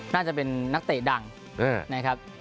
น่าจะเป็นนักเตะดังนะครับ